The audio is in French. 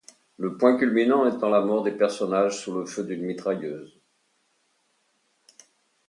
Le point culminant étant la mort des personnages sous le feu d'une mitrailleuse.